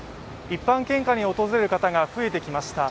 一般献花に訪れる方が増えてきました。